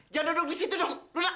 jangan duduk disitu dong